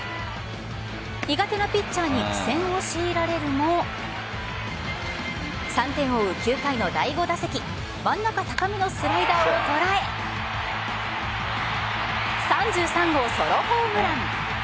苦手なピッチャーに苦戦を強いられるも３点を追う９回の第５打席真ん中高めのスライダーを捉え３３号ソロホームラン。